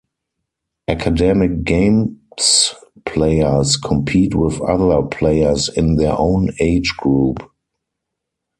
Academic Games players compete with other players in their own age group.